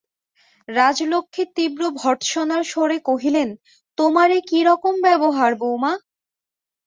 রাজলক্ষ্মী তীব্র ভর্ৎসনার স্বরে কহিলেন, তোমার এ কী রকম ব্যবহার, বউমা।